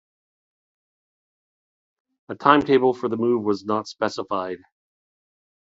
A timetable for the move was not specified.